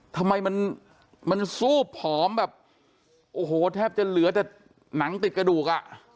ทำไมมันซูบผอมแบบโอ้โหแทบจะเหลือแต่หนังติดกระดูกอ่ะ